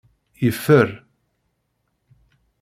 Yeffer.